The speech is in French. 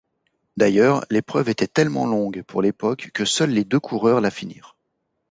D'ailleurs, l'épreuve était tellement longue pour l'époque que seul les deux coureurs la finirent.